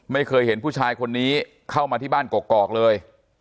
ไม่เคยเห็นผู้ชายคนนี้เข้ามาที่บ้านกอกเลย